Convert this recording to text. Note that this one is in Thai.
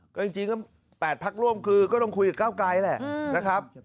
ก็จริงก็๘พักร่วมคือก็ต้องคุยกับก้าวไกลแหละนะครับ